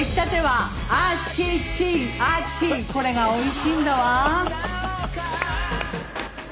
これがおいしいんだわ。